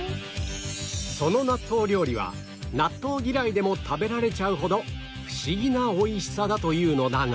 その納豆料理は納豆嫌いでも食べられちゃうほどフシギな美味しさだというのだが